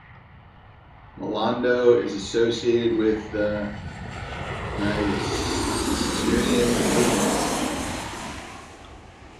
Maldonado is associated with the Nuyorican movement.